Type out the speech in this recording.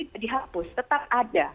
tidak dihapus tetap ada